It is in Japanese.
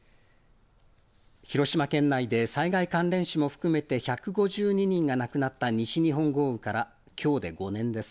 広島県内で災害関連死も含めて１５２人が亡くなった西日本豪雨からきょうで５年です。